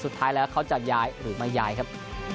สุดท้ายแล้วเขาจะย้ายหรือไม่ย้ายครับ